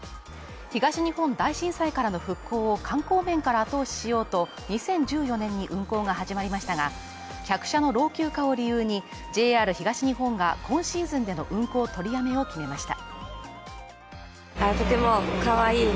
東日本大震災からの復興を観光面から後押ししようと２０１４年に運行が始まりましたが、客車の老朽化を理由にＪＲ東日本が、今シーズンでの運行取りやめを決めました。